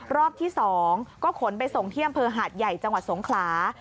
รอบที่๒ก็ขนไปส่งที่อำเภอหาดใหญ่จังหวัดสงขลา